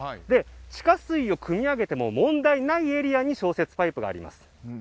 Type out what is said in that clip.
地下水をくみ上げても問題ないエリアに消雪パイプがあります。